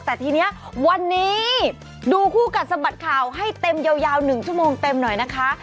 แต่ทีนี้วันนี้ดูคู่กัดสะบัดข่าวให้เต็มยาว๑ชั่วโมงเต็มหน่อยนะคะ